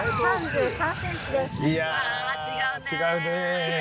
・いや違うねえ・